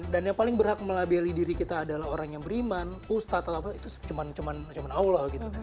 dan yang paling berhak melabeli diri kita adalah orang yang beriman ustadz atau apa itu cuman allah gitu